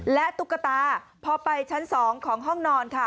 และตุ๊กตาพอไปชั้น๒ของห้องนอนค่ะ